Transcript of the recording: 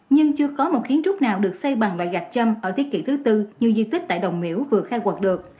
nhưng chưa có một kiến trúc nào được xây bằng loại gạch châm ở thế kỷ thứ tư nhiều di tích tại đồng miễu vừa khai quật được